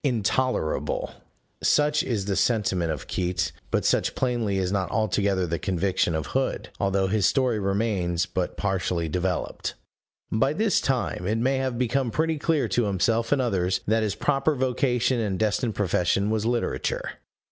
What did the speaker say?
Intolerable! (Such is the sentiment of Keats; but such plainly is not altogether the conviction of Hood, although his story remains but partially developed.) By this time it may have become pretty clear to himself and others that his proper vocation and destined profession was literature.